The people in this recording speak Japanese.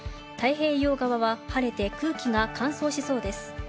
太平洋側は晴れて空気が乾燥しそうです。